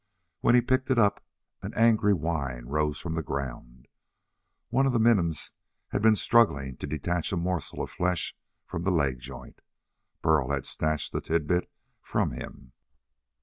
When he picked it up an angry whine rose from the ground. One of the minims had been struggling to detach a morsel of flesh from the leg joint. Burl had snatched the tidbit from him.